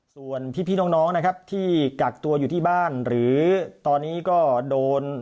ส่วนพี่น้องนะครับที่กักตัวอยู่ที่บ้านหรือตอนนี้ก็โดน